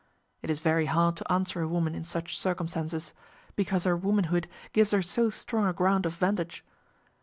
It is very hard to answer a woman in such circumstances, because her womanhood gives her so strong a ground of vantage!